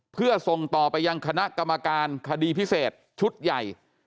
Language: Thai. เพื่อส่งต่อไปยังคณะกรรมการคดีพิเศษชุดใหญ่